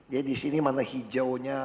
jadi disini mana hijaunya